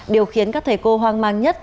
điều khiến các thầy cô hoang mang nhất